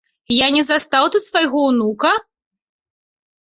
Я не застаў тут свайго ўнука?